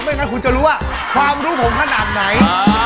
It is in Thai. งั้นคุณจะรู้ว่าความรู้ผมขนาดไหน